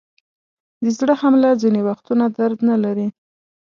د زړه حمله ځینې وختونه درد نلري.